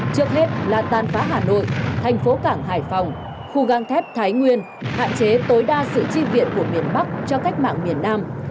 trước hết là tàn phá hà nội thành phố cảng hải phòng khu gang thép thái nguyên hạn chế tối đa sự chi viện của miền bắc cho cách mạng miền nam